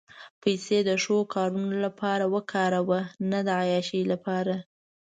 پېسې د ښو کارونو لپاره وکاروه، نه د عیاشۍ لپاره.